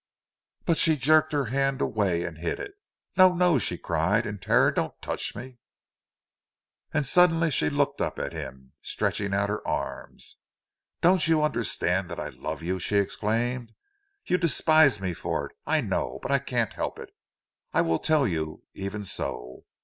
But she jerked her hand away and hid it. "No, no!" she cried, in terror. "Don't touch me!" And suddenly she looked up at him, stretching out her arms. "Don't you understand that I love you?" she exclaimed. "You despise me for it, I know—but I can't help it. I will tell you, even so!